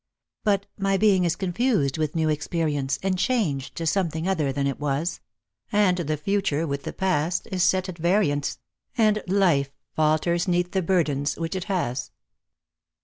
But my being is confused with new experience, And changed to something other than it was ; And the Future with the Past is set at variance, And Life falters 'neath the burdens which it has."